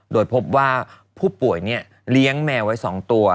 โดยพบว่าผู้ป่วยเลี้ยงแมวไว้๒ตัว